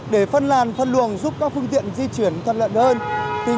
để phân làn phân luồng giúp các phương tiện di chuyển thật lận hơn